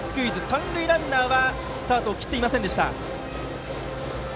三塁ランナーはスタートを切っていませんでした。